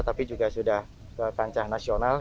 tapi juga sudah ke kancah nasional